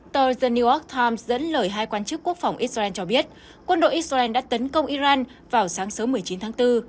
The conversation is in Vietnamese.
tờ then new york times dẫn lời hai quan chức quốc phòng israel cho biết quân đội israel đã tấn công iran vào sáng sớm một mươi chín tháng bốn